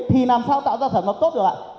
thì làm sao tạo ra sản xuất tốt được ạ